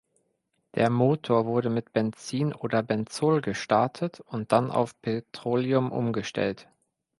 Der Motor wurde mit Benzin oder Benzol gestartet und dann auf Petroleum umgestellt.